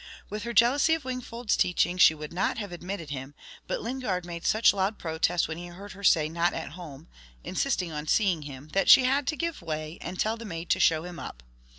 With her jealousy of Wingfold's teaching, she would not have admitted him, but Lingard made such loud protest when he heard her say "Not at home," insisting on seeing him, that she had to give way, and tell the maid to show him up.